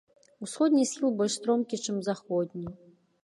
Усходні схіл больш стромкі, чым заходні.